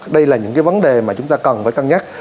đây là những cái vấn đề mà chúng ta cần phải cân nhắc